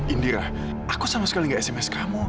indira aku sama sekali gak sms kamu